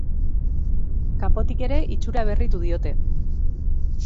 Kanpotik ere itxura berritu diote.